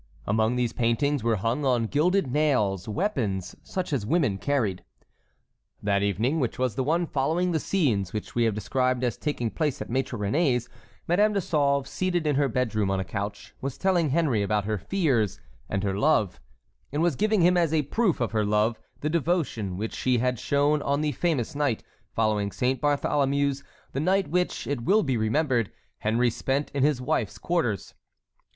Among these paintings were hung on gilded nails weapons such as women carried. That evening, which was the one following the scenes which we have described as taking place at Maître Réné's, Madame de Sauve, seated in her bedroom on a couch, was telling Henry about her fears and her love, and was giving him as a proof of her love the devotion which she had shown on the famous night following Saint Bartholomew's, the night which, it will be remembered, Henry spent in his wife's quarters.